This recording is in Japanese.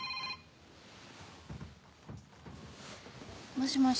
もしもし。